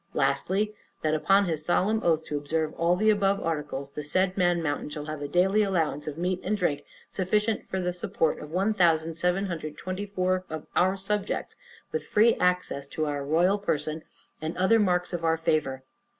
Lastly, That, upon his solemn oath to observe all the above articles, the said Man Mountain shall have a daily allowance of meat and drink sufficient for the support of 1724 of our subjects, with free access to our royal person, and other marks of our favor.